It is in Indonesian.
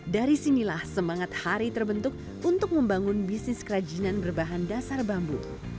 dari sinilah semangat hari terbentuk untuk membangun bisnis kerajinan berbahan dasar bambu